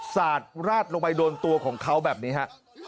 สาดราดลงไปโดนตัวของเขาแบบนี้ฮะ